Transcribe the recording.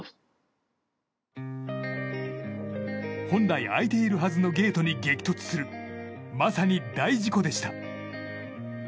本来、開いているはずのゲートに激突するまさに大事故でした。